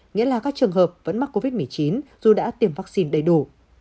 nghĩa là các trường hợp vẫn mắc covid một mươi chín dù đã tiêm vaccine đầy đủ